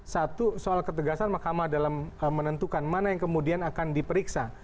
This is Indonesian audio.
satu soal ketegasan mahkamah dalam menentukan mana yang kemudian akan diperiksa